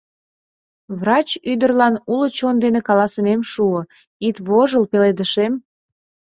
Врач ӱдырлан уло чон дене каласымем шуо: «Ит вожыл, пеледышем.